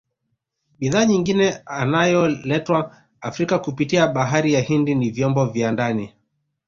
Bidhaa nyingine inayoletwa Afrika kupitia bahari ya Hindi ni vyombo vya ndani